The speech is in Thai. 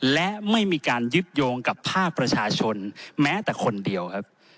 และไม่มีการยึดโยงกับภาคประชาชนแม้แต่คนเดียวครับ